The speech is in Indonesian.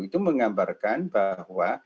itu menggambarkan bahwa